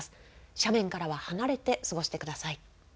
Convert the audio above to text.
斜面からは離れて過ごしてください。